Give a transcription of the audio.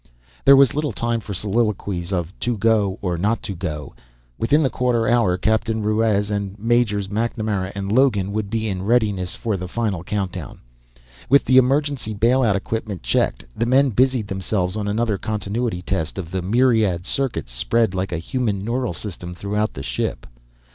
There was little time for soliloquies of to go, or not to go; within the quarter hour, Captain Ruiz and Majors MacNamara and Logan would be in readiness for the final count down. With the emergency bail out equipment checked, the men busied themselves on another continuity test of the myriad circuits spread like a human neural system throughout the ship.